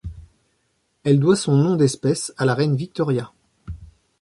Elle doit son nom d'espèce à la reine Victoria.